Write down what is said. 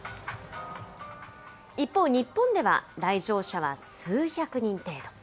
一方、日本では来場者は数百人程度。